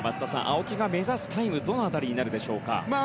青木が目指すタイムどの辺りになるでしょうか。